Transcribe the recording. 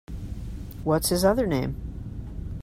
What’s his other name?